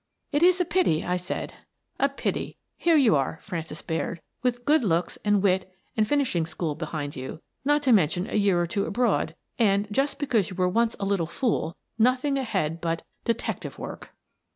" It is a pity," I said, " a pity. Here you are, Frances Baird, with good looks and wit and a fin ishing school behind you, — not to mention a year or two abroad, — and, just because you were once a little fool, nothing ahead but — detective work